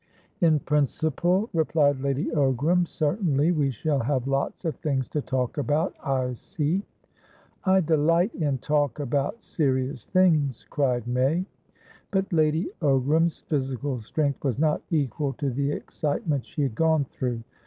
"In principle," replied Lady Ogram, "certainly. We shall have lots of things to talk about, I see." "I delight in talk about serious things!" cried May. But Lady Ogram's physical strength was not equal to the excitement she had gone through.